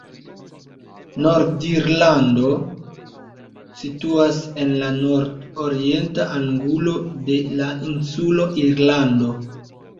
Nord-Irlando situas en la nord-orienta angulo de la insulo Irlando.